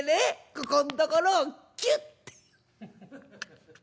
ここんところをキュッて」。